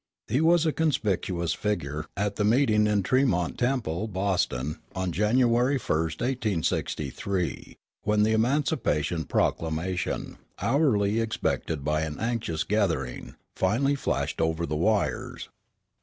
He was a conspicuous figure at the meeting in Tremont Temple, Boston, on January 1, 1863, when the Emancipation Proclamation, hourly expected by an anxious gathering, finally flashed over the wires.